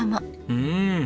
うん！